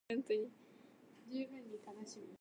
この機械、どう見ても説明書通りに動かないんだけど、どうしよう。